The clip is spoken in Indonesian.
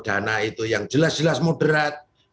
dana itu yang jelas jelas moderat